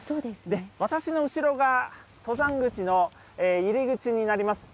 私の後ろが登山口の入り口になります。